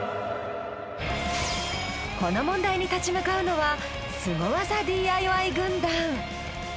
この問題に立ち向かうのはスゴ技ＤＩＹ軍団。